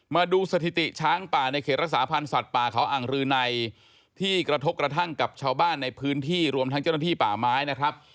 มาดูสถิติช้างป่าในเขตรักษาพันธ์สัตว์ป่าเขาอ่างรืนัยที่กระทบกระทั่งกับชาวบ้านในพื้นที่รวมทั้งเจ้าหน้าที่ป่าไม้นะครับ